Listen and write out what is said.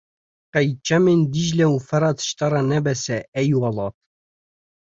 Qey çemên Dîcle û Ferat ji te re ne bes e ey welat.